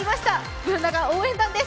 Ｂｏｏｎａが応援団です。